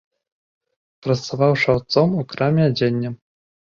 Працаваў шаўцом у краме адзення.